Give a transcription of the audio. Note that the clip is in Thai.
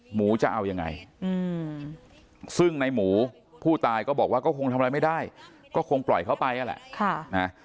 หมูจะเอายังไงซึ่งในหมูผู้ตายก็บอกว่าก็คงทำอะไรไม่ได้ก็คงปล่อยเขาไปนั่นแหละ